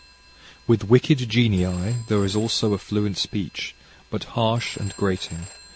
"With wicked genii there is also a fluent speech, but harsh and grating.